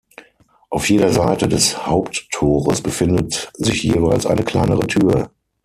Auf jeder Seite des Haupttores befindet sich jeweils eine kleinere Tür.